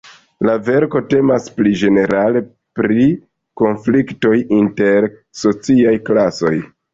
La verko temas pli ĝenerale pri konfliktoj inter sociaj klasoj.